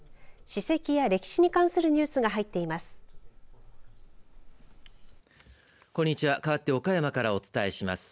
史跡や歴史に関するニュースが入っています。